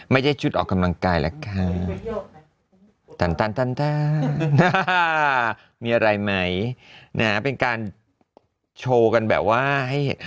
ไม่ใช่ชุดออกกำลังกายแหละค่ะมีอะไรไหมนะเป็นการโชว์กันแบบว่าให้เห็น